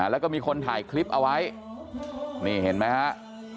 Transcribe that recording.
แล้วก็มีคนถ่ายคลิปเอาไว้นี่เห็นมั้ยครับ